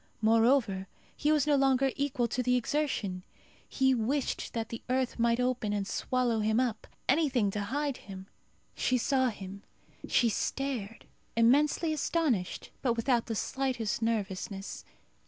Moreover, he was no longer equal to the exertion. He wished that the earth might open and swallow him up. Anything to hide him. She saw him. She stared, immensely astonished, but without the slightest nervousness.